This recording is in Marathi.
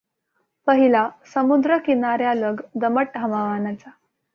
पहिला, समुद्रकिनाऱ्यालग दमट हवामानाचा.